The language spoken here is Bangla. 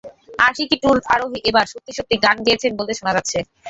আশিকি টুর আরোহী এবার সত্যি সত্যি গান গেয়েছেন বলে শোনা যাচ্ছে।